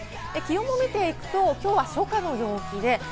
気温を見ていくと今日は初夏の陽気。